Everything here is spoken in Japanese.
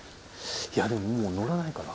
いやでももうのらないかな？